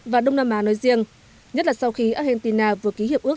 và đông nam á nói riêng nhất là sau khi argentina vừa ký hiệp ước